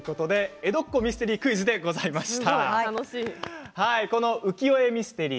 「江戸っ子ミステリークイズ！」でございました。